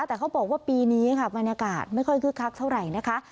แต่เขาบอกว่าปีนี้ค่ะบรรยากาศไม่ค่อยคึกคักเท่าไหร่นะคะ